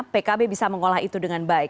pkb bisa mengolah itu dengan baik